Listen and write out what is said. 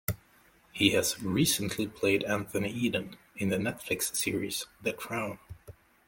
He has recently played Anthony Eden in the Netflix series "The Crown".